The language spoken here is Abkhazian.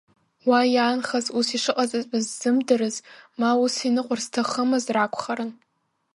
Уа иаанхаз ус ишыҟаҵатәыз ззымдырыз, ма ус иныҟәар зҭахымыз ракәхарын.